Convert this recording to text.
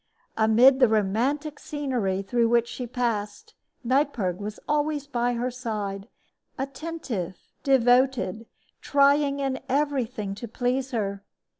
Amid the romantic scenery through which she passed Neipperg was always by her side, attentive, devoted, trying in everything to please her.